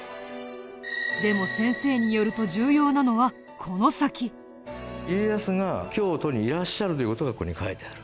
でも先生によると家康が京都にいらっしゃるという事がここに書いてある。